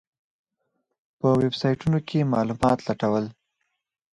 په ویبسایټونو کې مې معلومات لټول.